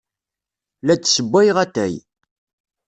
La d-ssewwayeɣ atay.